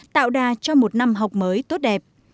tạo đà cho một năm học mới tốt đẹp